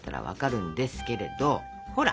ほら。